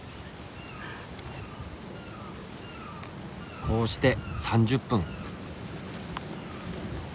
こうして３０分。